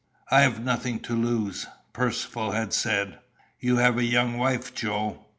"I've nothing to lose," Percivale had said. "You have a young wife, Joe."